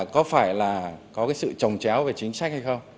có phải là có cái sự trồng chéo về chính sách hay không